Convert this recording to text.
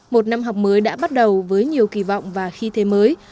một năm học mới đã bắt đầu với nhiều kỳ vọng và khí thế mới